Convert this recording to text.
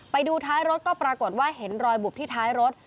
ไปดูท้ายรถก็ปรากฏว่าเห็นรอยบุบที่ท้ายรถ